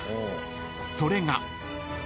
［それが］